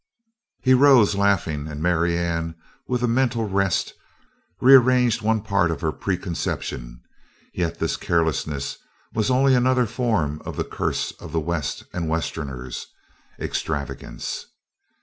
He rose laughing and Marianne, with a mental wrest, rearranged one part of her preconception, yet this carelessness was only another form of the curse of the West and Westerners extravagance.